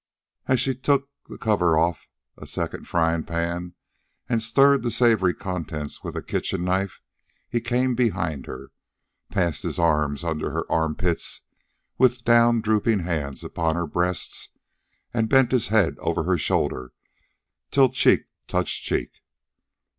As she took the cover off a second frying pan and stirred the savory contents with a kitchen knife, he came behind her, passed his arms under her arm pits with down drooping hands upon her breasts, and bent his head over her shoulder till cheek touched cheek.